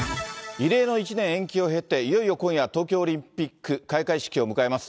異例の１年延期を経て、いよいよ今夜、東京オリンピック開会式を迎えます。